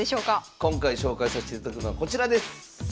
今回紹介さしていただくのはこちらです！